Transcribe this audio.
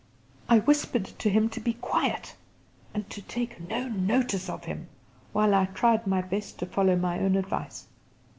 I whispered to him to be quiet and to take no notice of him, while I tried my best to follow my own advice.